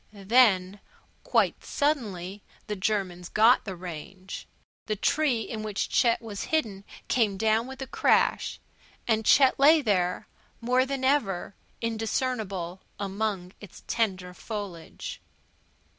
Then, quite suddenly, the Germans got the range. The tree in which Chet was hidden came down with a crash, and Chet lay there, more than ever indiscernible among its tender foliage.